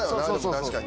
確かに。